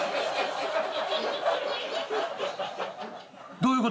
「どういう事？」。